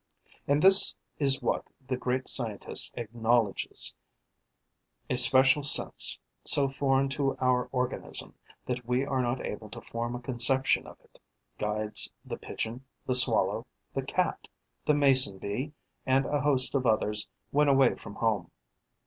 And this is what the great scientist acknowledges: a special sense, so foreign to our organism that we are not able to form a conception of it, guides the Pigeon, the Swallow, the Cat, the Mason bee and a host of others when away from home.